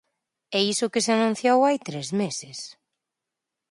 E iso que se anunciou hai tres meses.